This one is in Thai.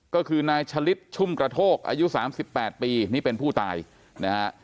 ก็คือนายชะลิดชุ่มกระโทกอายุ๓๘ปีนี่เป็นผู้ตายนะฮะ